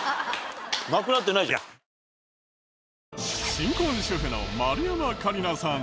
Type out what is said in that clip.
新婚主婦の丸山桂里奈さん